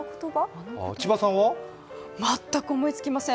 全く思いつきません。